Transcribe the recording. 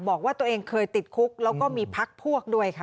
บอกว่าตัวเองเคยติดคุกแล้วก็มีพักพวกด้วยค่ะ